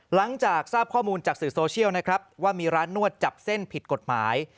หลังจากทราบข้อมูลจากสื่อโซเชียลนะครับว่ามีร้านนวดจับเส้นผิดกฎหมาย